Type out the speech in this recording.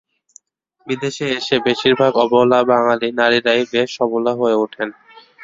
বিদেশে এসে বেশির ভাগ অবলা বাঙালি নারীরাই বেশ সবলা হয়ে ওঠেন।